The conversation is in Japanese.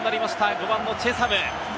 ５番のチェサム。